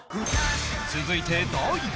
続いて大悟